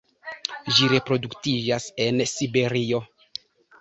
Ĝi reproduktiĝas en Siberio.